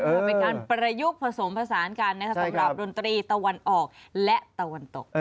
เป็นการประยุกต์ผสมผสานกันนะครับสำหรับดนตรีตะวันออกและตะวันตก